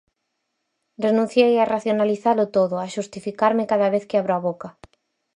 Renunciei a racionalizalo todo, a xustificarme cada vez que abro a boca.